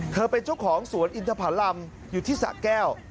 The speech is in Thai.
เป็นเจ้าของสวนอินทภารำอยู่ที่สะแก้ว